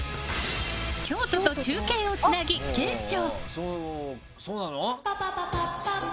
京都と中継をつなぎ検証。